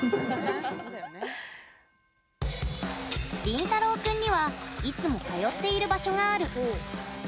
リンタロウ君にはいつも通っている場所がある。